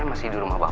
tepulih mengurus fuck